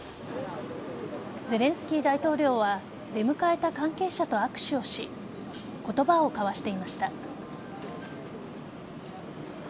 ゼレンスキー大統領は出迎えた関係者と握手をし言葉を交わしていました。